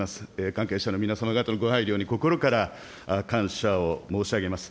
関係者の皆様方のご配慮に心から感謝を申し上げます。